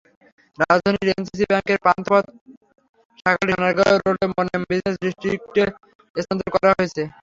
রাজধানীতে এনসিসি ব্যাংকের পান্থপথ শাখাটি সোনারগাঁও রোডে মোনেম বিজনেস ডিস্ট্রিক্টে স্থানান্তর করা হয়েছে।